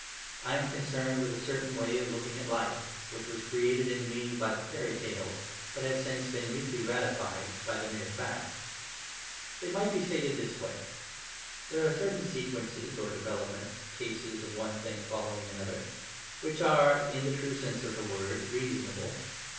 I am concerned with a certain way of looking at life, which was created in me by the fairy tales, but has since been meekly ratified by the mere facts. It might be stated this way. There are certain sequences or developments (cases of one thing following another), which are, in the true sense of the word, reasonable.